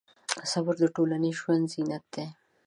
صبر د ټولنیز ژوند زینت دی.